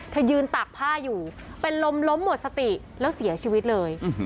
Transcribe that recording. เธอยืนตากผ้าอยู่เป็นลมล้มหมดสติแล้วเสียชีวิตเลย